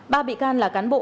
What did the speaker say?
ba bị can là cán bộ